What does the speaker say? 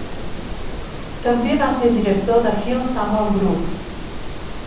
També va ser director de Hill Samuel Group.